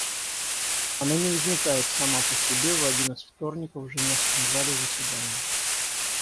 Она не возникнет сама по себе в один из вторников в женевском зале заседаний.